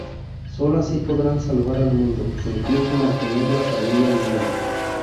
Solo así podrán salvar al mundo, e incluso mantener la familia unida.